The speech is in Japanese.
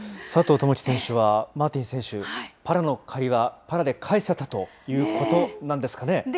友祈選手は、マーティン選手、パラの借りはパラで返せたということなんですかね。